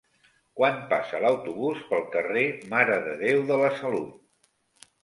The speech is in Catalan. Quan passa l'autobús pel carrer Mare de Déu de la Salut?